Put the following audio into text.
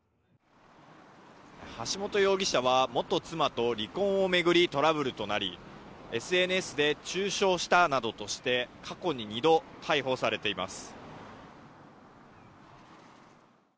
橋本容疑者は元妻と離婚を巡りトラブルとなりＳＮＳで中傷したなどとして過去に２度、逮捕されています。